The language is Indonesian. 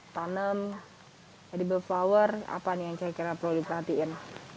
tanem edible flower apa nih yang saya kira perlu diperhatikan